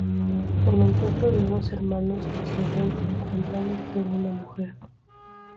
El encuentro de dos hermanos que se ven enfrentados por una mujer.